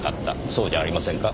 そうじゃありませんか？